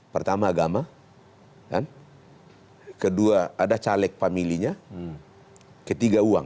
pertama agama kedua ada caleg familinya ketiga uang